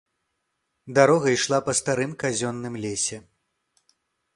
Дарога ішла па старым казённым лесе.